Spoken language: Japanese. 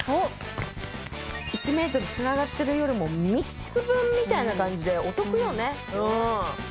１メートル繋がってるよりも３つ分みたいな感じでお得よね。